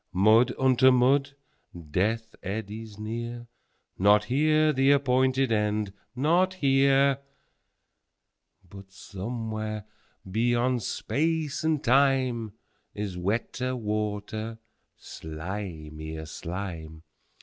15Mud unto mud! Death eddies near 16Not here the appointed End, not here!17But somewhere, beyond Space and Time.18Is wetter water, slimier slime!